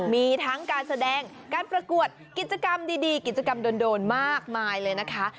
มีทั้งการแสดงการประกวดกิจกรรมดีกิจกรรมโดนมากมายเลยนะคะ